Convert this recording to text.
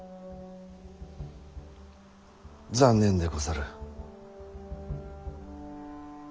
残念でござる。